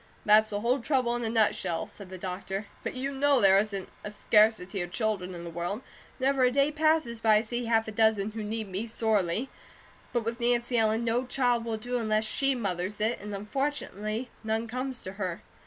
"That's the whole trouble in a nutshell," said the doctor; "but you know there isn't a scarcity of children in the world. Never a day passes but I see half a dozen who need me, sorely. But with Nancy Ellen, NO CHILD will do unless she mothers it, and unfortunately, none comes to her."